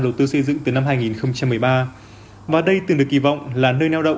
đầu tư xây dựng từ năm hai nghìn một mươi ba và đây từng được kỳ vọng là nơi neo đậu